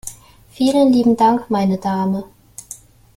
Vielen lieben Dank, meine Dame!